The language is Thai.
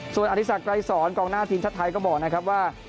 ส่วนอธิสักไกรสอนกองหน้าทีมชาติไทยก็บอกนะครับว่า